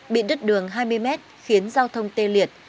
bị đứt đường hai mươi mét khiến giao thông tê liệt